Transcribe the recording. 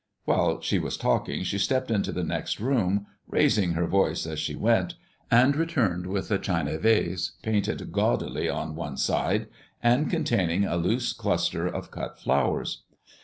While she was talking, she stepped into the next room, raising her voice as she went, and returned with a china vase painted gaudily on one side and containing a loose cluster of cut flowers.